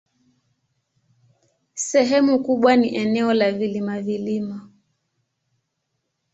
Sehemu kubwa ni eneo la vilima-vilima.